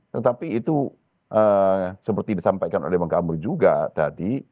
tetapi itu seperti disampaikan oleh bang gambir juga tadi